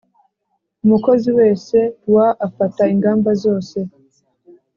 Umukozi wese wa afata ingamba zose